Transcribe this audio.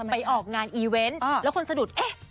ไปออกงานอีเวนต์แล้วคนสะดุดเอ๊ะ